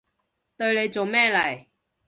對你做咩嚟？